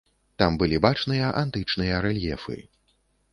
Там былі бачныя антычныя рэльефы.